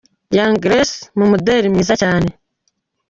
Young Grace mu muderi mwiza cyane.